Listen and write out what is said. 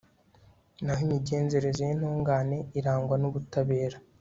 naho imigenzereze y'intungane irangwa n'ubutabera